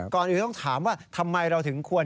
ก่อนอื่นต้องถามว่าทำไมเราถึงควร